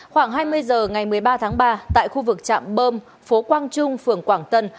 khoảng hai mươi h ngày một mươi ba tháng ba tại khu vực chạm bơm phố quang trung phường quảng tân